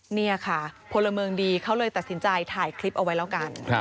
นี่ค่ะพลเมืองดีเขาเลยตัดสินใจถ่ายคลิปเอาไว้แล้วกัน